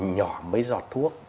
nhỏ mấy giọt thuốc